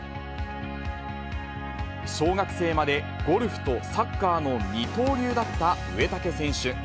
小学生までゴルフとサッカーの二刀流だった植竹選手。